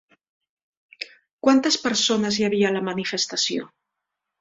Quantes persones hi havia a la manifestació?